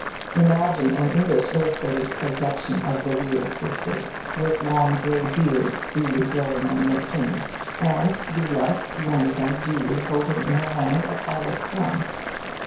Imagine an English illustrator's projection of the weird sisters with long grey beards duly growing on their chins, and belike one of them duly holding in her hand a pilot's thumb.